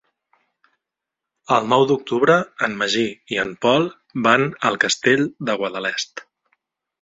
El nou d'octubre en Magí i en Pol van al Castell de Guadalest.